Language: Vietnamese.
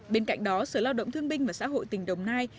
bên cạnh đó sở lao động thương binh và xã hội tỉnh đồng nai